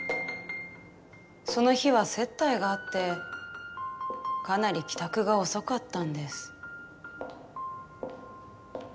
その日は接待があってかなり帰宅が遅かったんです。